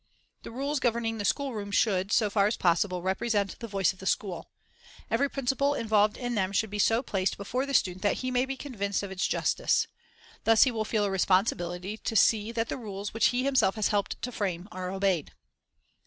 The rules governing the schoolroom should, so far as possible, represent the voice of the school. Every principle involved in them should be so placed before the student that he may be convinced of its justice. Thus he will feel a responsibility to see that the rules which he himself has helped to frame are obeyed.